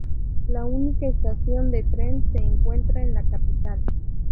La única estación de tren se encuentra en la capital.